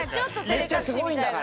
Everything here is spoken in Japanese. めっちゃすごいんだから！